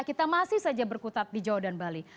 kita masih saja berkutat di jawa dan bali